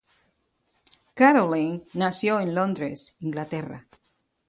Caroline nació en Londres, Inglaterra.